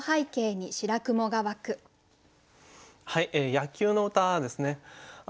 野球の歌ですね。